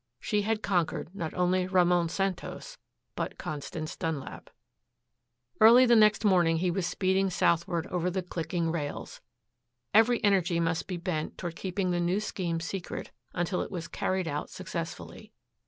She had conquered not only Ramon Santos but Constance Dunlap. Early the next morning he was speeding southward over the clicking rails. Every energy must be bent toward keeping the new scheme secret until it was carried out successfully.